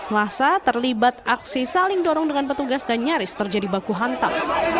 masa terlibat aksi saling dorong dengan petugas dan nyaris terjadi baku hantam